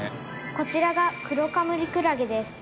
「こちらがクロカムリクラゲです」